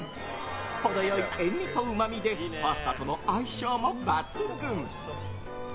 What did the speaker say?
程良い塩みとうまみでパスタとの相性も抜群。